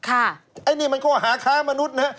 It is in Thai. ไอ้นี่มันข้อหาค้ามนุษย์นะ